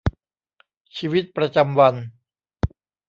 ชีวิตประจำวัน